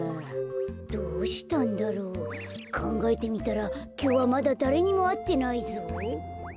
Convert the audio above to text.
どうしたんだろう？かんがえてみたらきょうはまだだれにもあってないぞ。